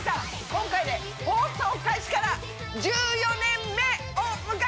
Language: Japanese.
今回で放送開始から１４年目を迎えました！